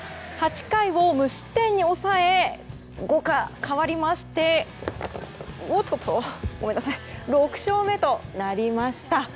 ８回を無失点に抑え５が変わりまして６勝目となりました。